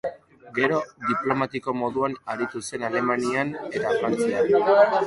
Gero, diplomatiko moduan aritu zen Alemanian eta Frantzian.